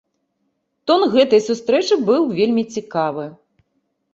Тон гэтай сустрэчы быў вельмі цікавы.